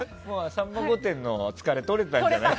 「さんま御殿！！」の疲れ取れたんじゃない？